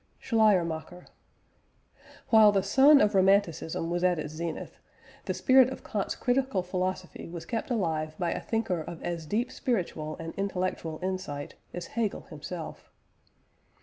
SCHLEIERMACHER. While the sun of Romanticism was at its zenith, the spirit of Kant's critical philosophy was kept alive by a thinker of as deep spiritual and intellectual insight as Hegel himself.